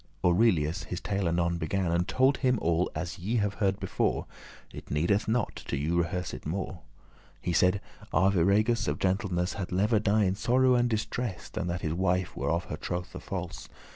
Aurelius his tale anon began, And told him all as ye have heard before, It needeth not to you rehearse it more. He said, "Arviragus of gentleness Had lever* die in sorrow and distress, *rather Than that his wife were of her trothe false."